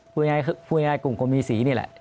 ภูมิงายกลุ่มภูมิศรีนี่แหละ